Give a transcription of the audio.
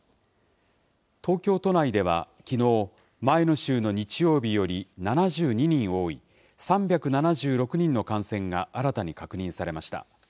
東京都内ではきのう、前の週の日曜日より７２人多い、３７６人の感染が新たに確認されました。